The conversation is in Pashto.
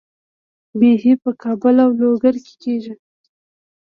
بیحي په کابل او لوګر کې کیږي.